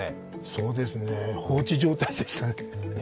そうですね、放置状態でしたね。